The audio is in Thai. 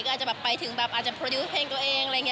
ก็อาจจะแบบไปถึงแบบอาจจะโปรดิวต์เพลงตัวเองอะไรอย่างนี้